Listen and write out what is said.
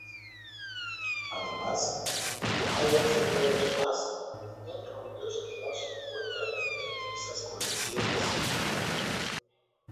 Además, hay once juegos más incluidos que no se encuentran en esas colecciones.